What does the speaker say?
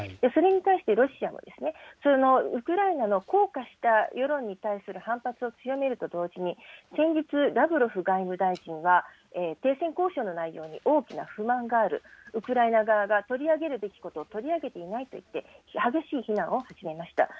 それに対してロシアは、そのウクライナの硬化した世論に対する反発を強めると同時に、先日、ラブロフ外務大臣は、停戦交渉の内容に大きな不満がある、ウクライナ側が取り上げるべきことを取り上げていないとして激しい非難を始めました。